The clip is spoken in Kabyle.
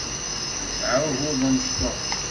Nesɛa ugur d amecṭuḥ.